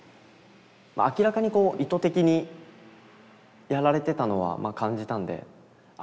明らかにこう意図的にやられてたのはまあ感じたんであ